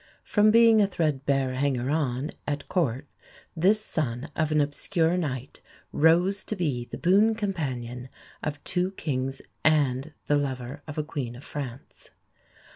From being a "threadbare hanger on" at Court this son of an obscure knight rose to be the boon companion of two kings and the lover of a Queen of France.